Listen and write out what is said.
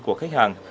của khách hàng